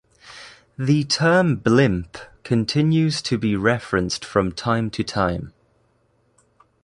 The term "Blimp" continues to be referenced from time to time.